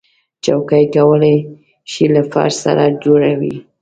چوکۍ کولی شي له فرش سره جوړه وي.